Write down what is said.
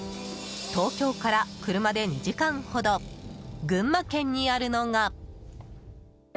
東京から車で２時間ほど群馬県にあるのが。